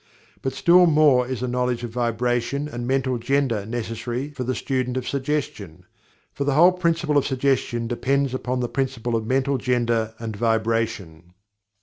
But, still more is a knowledge of Vibration and Mental Gender necessary for the student of Suggestion. For the whole principle of Suggestion depends upon the principle of Mental Gender and Vibration.